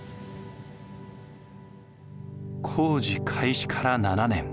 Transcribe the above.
工事開始から７年。